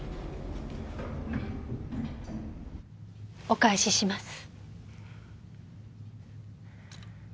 お返しします。